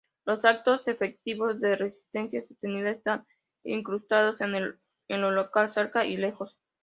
Los actos efectivos de resistencia sostenida están incrustados en lo local, cerca y lejos.